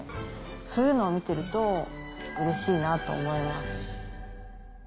そういうのを見てると、うれしいなと思います。